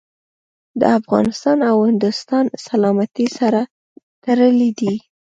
د افغانستان او هندوستان سلامتي سره تړلي دي.